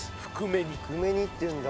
含め煮っていうんだ。